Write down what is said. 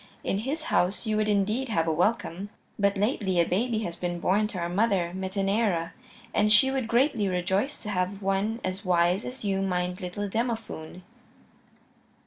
In his house you would indeed have a welcome. But lately a baby has been born to our mother, Metaneira, and she would greatly rejoice to have one as wise as you mind little Demophoon."